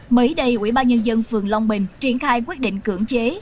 mới đây ủy ban nhân dân phường long bình triển khai quyết định cưỡng chế